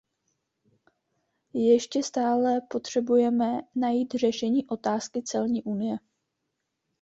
Ještě stále potřebujeme najít řešení otázky celní unie.